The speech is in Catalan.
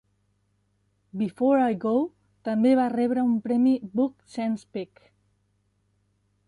"Before I Go" també va rebre un premi Book Sense Pick.